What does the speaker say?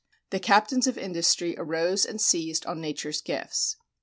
The captains of industry arose and seized on nature's gifts.